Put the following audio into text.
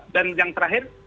dan yang terakhir